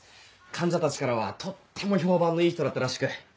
患者たちからはとっても評判のいい人だったらしく。